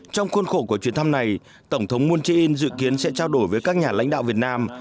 trong khuôn khổ của chuyến thăm này tổng thống moon jae in dự kiến sẽ trao đổi với các nhà lãnh đạo việt nam